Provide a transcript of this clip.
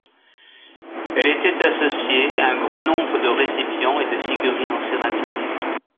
Elle était associée à un grand nombre de récipients et de figurines en céramique.